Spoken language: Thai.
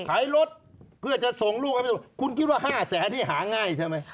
ขายรถเพื่อจะส่งลูกคุณคิดว่าห้าแสนที่หาง่ายใช่ไหม